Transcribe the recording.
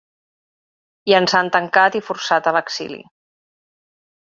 I ens han tancat i forçat a l’exili.